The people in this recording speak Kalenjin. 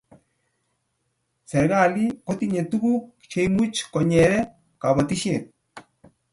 serikalii kotinye tukuuk cheimuch konyere kabotishet